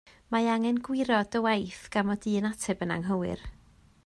Mae angen gwirio dy waith gan fod un ateb yn anghywir